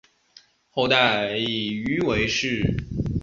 后代以鱼为氏。